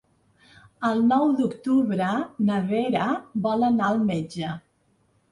El nou d'octubre na Vera vol anar al metge.